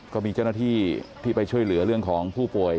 ก็มีเจ้าหน้าที่ที่ไปช่วยเหลือเรื่องของผู้ป่วย